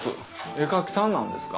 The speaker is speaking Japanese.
絵描きさんなんですか？